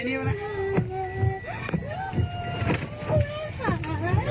เดี๋ยวแป๊บมึง